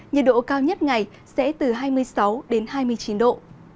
nhiệt độ cao nhất ngày sẽ từ hai mươi sáu đến hai mươi chín độ